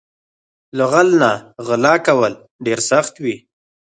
له غل نه غلا کول ډېر سخت وي